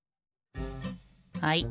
はい。